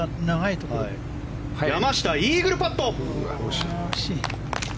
山下、イーグルパット。